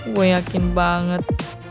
gue yakin banget